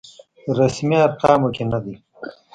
رسمي ارقامو کې نه دی.